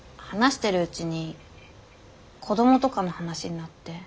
話してるうちに子どもとかの話になって。